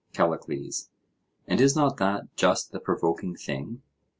CALLICLES: And is not that just the provoking thing?